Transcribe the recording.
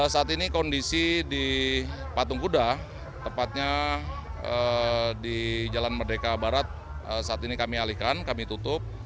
saat ini kondisi di patung kuda tepatnya di jalan merdeka barat saat ini kami alihkan kami tutup